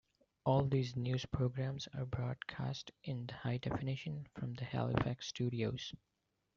All of these news programs are broadcast in high definition from the Halifax studios.